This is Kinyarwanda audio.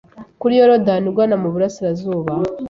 kuri Yorodani ugana mu burasirazuba